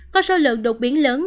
có số lượng đột biến lớn